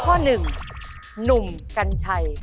ข้อหนึ่งหนุ่มกัญชัย